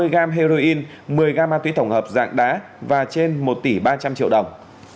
năm mươi gram heroin một mươi gam ma túy tổng hợp dạng đá và trên một tỷ ba trăm linh triệu đồng